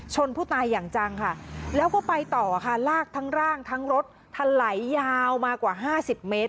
ผู้ตายอย่างจังค่ะแล้วก็ไปต่อค่ะลากทั้งร่างทั้งรถทะไหลยาวมากว่าห้าสิบเมตร